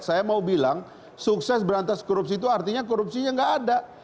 saya mau bilang sukses berantas korupsi itu artinya korupsinya nggak ada